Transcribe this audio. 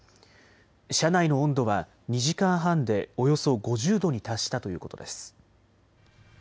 車内の温度は２時間半でおよそ５０度に達したということです。